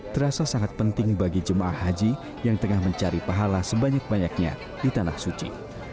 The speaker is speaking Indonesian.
terasa sangat penting bagi jemaah haji yang tengah mencari pahala sebanyak banyaknya di tanah suci